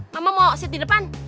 mama mau seat di depan